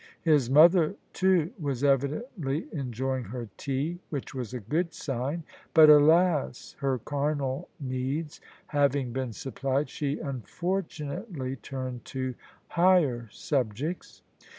His mother, too, was evidently enjoying her tea, which was a good sign. But, alas! her carnal needs having been supplied, she unfor tunately turned to higher subjects.